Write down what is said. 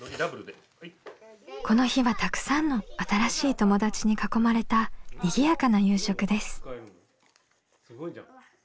この日はたくさんの新しい友達に囲まれたにぎやかな夕食です。